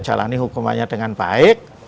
jalani hukumannya dengan baik